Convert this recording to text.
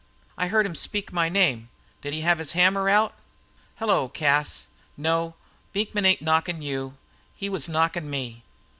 I heard him speak my name. Did he have his hammer out?" "Hello, Cas. No, Beekman ain't knockin' you. He was knockin' me.